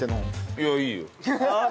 いやいいよ。